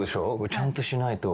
ちゃんとしないと。